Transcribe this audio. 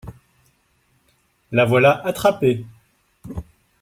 La voilà attrapée.